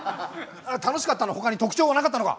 楽しかったのほかに特徴はなかったのか？